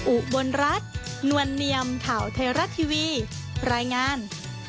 อุบลรัฐนวลเนียมข่าวไทยรัฐทีวีรายงาน